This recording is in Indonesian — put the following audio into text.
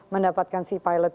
mendapatkan si pilot